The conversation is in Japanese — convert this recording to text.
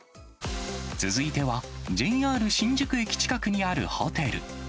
続いては、ＪＲ新宿駅近くにあるホテル。